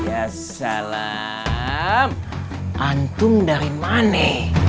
ya salam antum dari mane